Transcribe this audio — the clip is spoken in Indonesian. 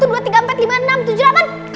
kok kalian tak mau sunat